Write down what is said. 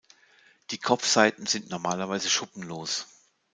Die Kopfseiten sind normalerweise schuppenlos.